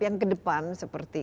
yang ke depan seperti